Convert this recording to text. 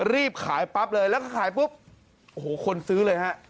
รีบขายปั๊บเลยแล้วก็ขายปุ๊บโอ้โหคนซื้อเลยฮะ